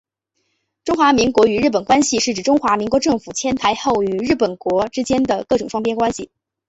中华民国与日本关系是指中华民国政府迁台后与日本国之间的各种双边关系。